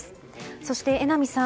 そして、榎並さん